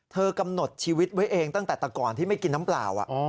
กำหนดชีวิตไว้เองตั้งแต่ตะก่อนที่ไม่กินน้ำเปล่า